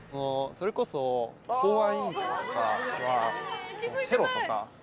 それこそ公安委員会とかはテロとか。